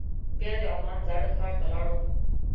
بیا د عمان زاړه ښار ته لاړو.